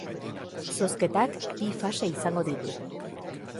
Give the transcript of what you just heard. Zozketak bi fase izango ditu.